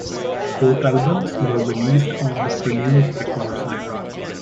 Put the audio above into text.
Both albums were released on the Prelude Records label.